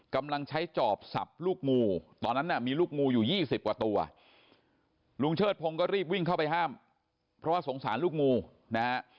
กำลังใช้จอบสับลูกงูตอนนั้นน่ะมีลูกงูอยู่๒๐กว่าตัวลุงเชิดพงศ์ก็รีบวิ่งเข้าไปห้ามเพราะว่าสงสารลูกงูนะฮะ